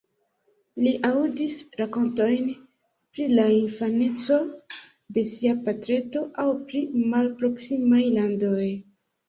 Li aŭdis rakontojn pri la infaneco de sia patreto aŭ pri malproksimaj landoj.